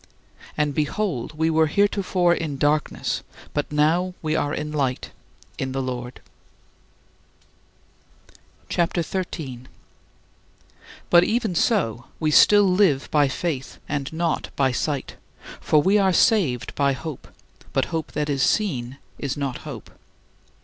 And behold, we were heretofore in darkness, but now we are light in the Lord. CHAPTER XIII 14. But even so, we still live by faith and not by sight, for we are saved by hope; but hope that is seen is not hope.